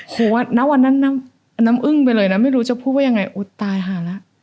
โอ้โหณวันนั้นน้ำอึ้งไปเลยนะไม่รู้จะพูดว่ายังไงโอ้ตายหาละ